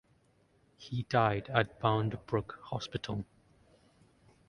He died at Bound Brook Hospital.